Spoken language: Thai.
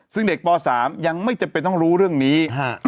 ซึ่งเด็กป๓ยังไม่จำเป็นต้องรู้เรื่องนี้